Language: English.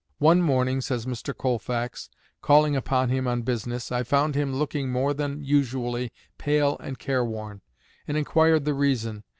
"One morning," says Mr. Colfax, "calling upon him on business, I found him looking more than usually pale and careworn, and inquired the reason.